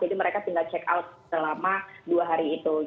jadi mereka tinggal check out selama dua hari itu